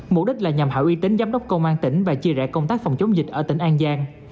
mục đích là nhằm hạ uy tín giám đốc công an tỉnh và chia rẽ công tác phòng chống dịch ở tỉnh an giang